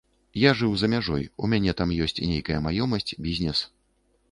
Я жыў за мяжой, у мяне там ёсць нейкая маёмасць, бізнес.